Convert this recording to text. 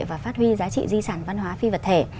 và phát huy giá trị di sản văn hóa phi vật thể